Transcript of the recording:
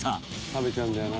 「食べちゃうんだよな」